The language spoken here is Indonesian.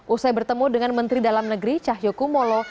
usai bertemu dengan menteri dalam negeri cahyokumolo